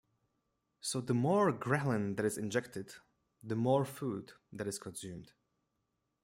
So the more ghrelin that is injected the more food that is consumed.